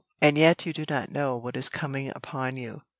and yet you do not know what is coming upon you."